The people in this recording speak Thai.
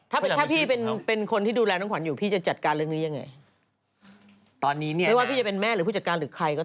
ถ้าพี่เป็นคนที่ดูแลน้องขวัญอยู่จะจัดการเรื่องนี้ยังไง